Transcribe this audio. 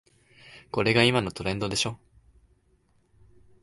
これが今のトレンドでしょ